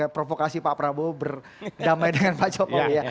provokasi pak prabowo berdamai dengan pak jokowi ya